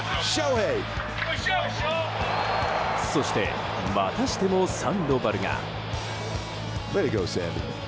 そしてまたしてもサンドバルが。